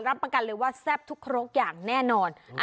รับประกันเลยว่าแซ่บทุกครกอย่างแน่นอน